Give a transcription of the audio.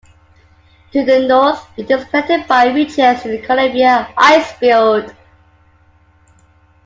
To the north it is connected by ridges to the Columbia Icefield.